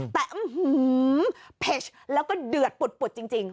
แต่อื้อหือแล้วก็เดือดปุดจริง